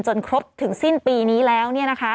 ครบถึงสิ้นปีนี้แล้ว